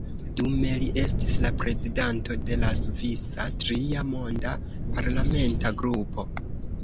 Dume li estis la prezidanto de la “svisa-Tria Monda” parlamenta grupo.